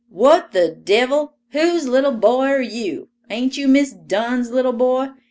"What the devil—whose little boy are you? Ain't you Miss Dunn's little boy?